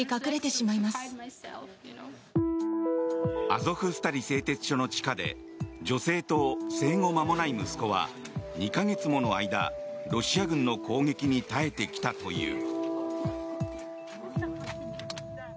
アゾフスタリ製鉄所の地下で女性と生後間もない息子は２か月もの間、ロシア軍の攻撃に耐えてきたという。